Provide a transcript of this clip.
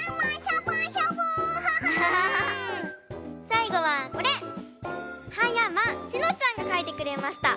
さいごはこれ！はやましのちゃんがかいてくれました。